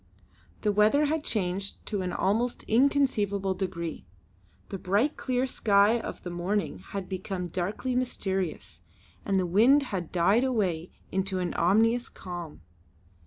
The weather had changed to an almost inconceivable degree. The bright clear sky of the morning had become darkly mysterious, and the wind had died away to an ominous calm.